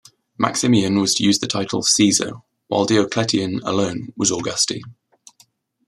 Maximian was to use the title "Caesar", while Diocletian alone was "Augusti".